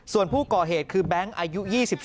ส่วนผู้ก่อเหตุคือแบงค์อายุ๒๒